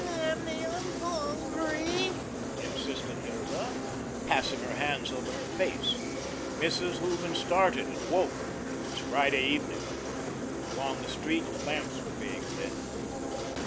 "Mammy, I'm hungry," insisted Hilda, passing her hands over her face. Mrs. Hooven started and woke. It was Friday evening. Already the street lamps were being lit.